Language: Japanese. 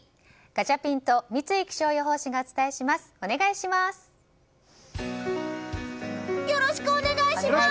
ガチャピンと三井気象予報士がお伝えします、お願いします。